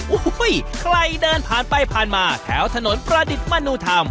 โอ้โหใครเดินผ่านไปผ่านมาแถวถนนประดิษฐ์มนุธรรม